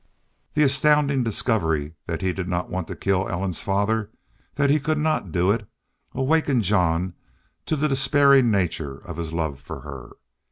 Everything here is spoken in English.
The astounding discovery that he did not want to kill Ellen's father that he could not do it awakened Jean to the despairing nature of his love for her.